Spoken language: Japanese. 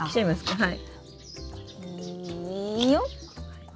はい。